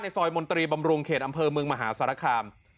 ซอยมนตรีบำรุงเขตอำเภอเมืองมหาสารคาม